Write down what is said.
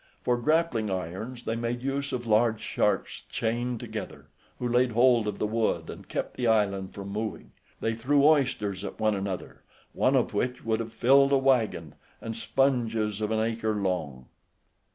For grappling irons they made use of large sharks chained together, who laid hold of the wood and kept the island from moving: they threw oysters at one another, one of which would have filled a waggon, and sponges of an acre long.